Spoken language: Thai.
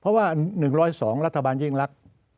เพราะว่า๑๐๒รัฐบาลยิ่งรัก